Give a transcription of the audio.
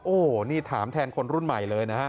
โอ้โหนี่ถามแทนคนรุ่นใหม่เลยนะฮะ